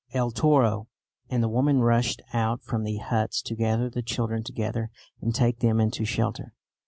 el toro!" and the women rushed out from the huts to gather the children together and take them into shelter.